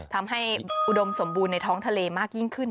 อุดมสมบูรณ์ในท้องทะเลมากยิ่งขึ้น